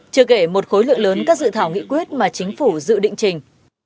chưa kể một khối lượng lớn các dự thảo nghị quyết mà chính phủ dự định trình